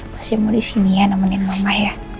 masih mau disini ya nemenin mama ya